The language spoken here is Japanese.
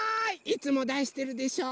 いつもだしてるでしょ。